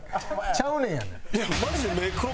「ちゃうねん」やで。